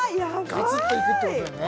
ガツッといくってことだよね